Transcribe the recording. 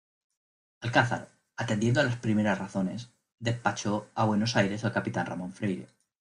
Alcázar, atendiendo a las primeras razones despachó a Buenos Aires al capitán Ramón Freire.